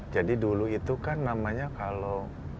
jadi dulu itu kan namanya kalau